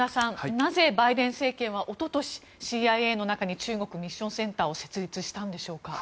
なぜバイデン政権はおととし、ＣＩＡの中に中国ミッションセンターを設立したんでしょうか。